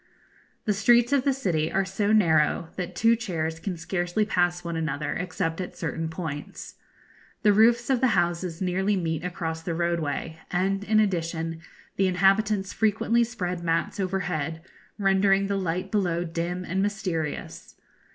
The streets of the city are so narrow, that two chairs can scarcely pass one another, except at certain points. The roofs of the houses nearly meet across the roadway, and, in addition, the inhabitants frequently spread mats overhead, rendering the light below dim and mysterious.